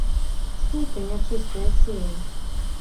Цьфу ты, нячыстая сіла!